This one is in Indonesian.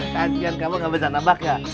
kajian kamu nggak pedulikan nabak ya